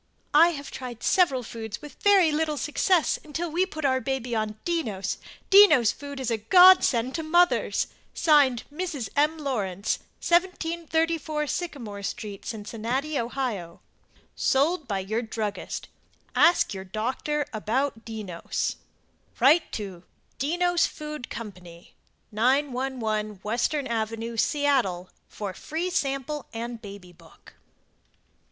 I had tried several foods with very little success until we put our baby on DENNOS. DENNOS FOOD is a Godsend to mothers. (Signed) Mrs. M. Lawrence. 1734 Sycamore St., Cincinnati, Ohio. SOLD BY YOUR DRUGGIST Ask your doctor about "Dennos" Write to DENNOS FOOD CO. 911 Western Ave., Seattle for Free Sample and Baby Book.